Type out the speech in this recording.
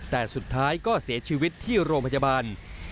แต่สุดท้ายก็เสียชีวิตที่โรงพยาบาล